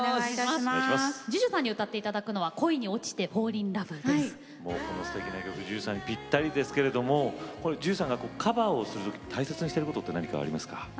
まず、ＪＵＪＵさんに歌っていただくのは「恋におちて−Ｆａｌｌｉｎｌｏｖｅ−」です。この、すてきな曲ＪＵＪＵさんにぴったりですけれどＪＵＪＵさんがカバーをする時に大切にしていることは何かありますか。